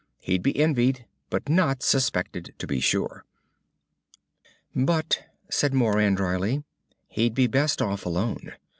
He'd be envied but not suspected. To be sure!" "But," said Moran drily, "he'd be best off alone.